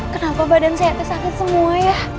kenapa badan saya kesakit semua ya